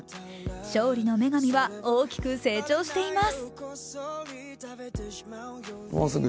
勝利の女神は大きく成長しています。